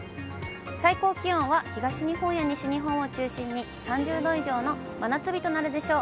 最高気温は東日本や西日本を中心に３０度以上の真夏日となるでしょう。